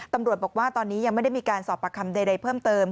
ตำรวจบอกว่าตอนนี้ยังไม่ได้มีการสอบประคำใดเพิ่มเติม